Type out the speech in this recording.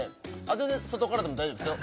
全然外からでも大丈夫ですよ